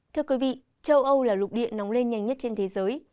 thưa quý vị châu âu là lục địa nóng lên nhanh nhất trên thế giới